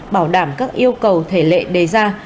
bảo đảm các yêu cầu thể lệ đề ra